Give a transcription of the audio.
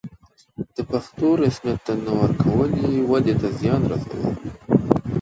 د پښتو رسميت ته نه ورکول یې ودې ته زیان رسولی.